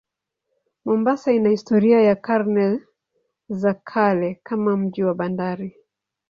Mombasa ina historia ya karne za kale kama mji wa bandari.